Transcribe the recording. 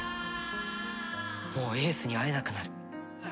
もう英寿に会えなくなる。